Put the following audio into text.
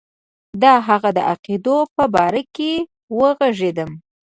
د هغه د عقایدو په باره کې وږغېږم.